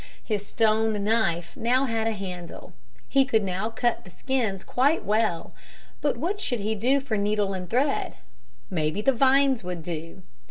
His stone knife now had a handle. He could now cut the skins quite well. But what should he do for needle and thread? Maybe the vines would do.